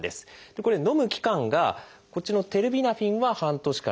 これのむ期間がこっちのテルビナフィンは半年から１年。